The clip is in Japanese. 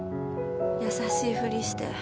優しいふりして。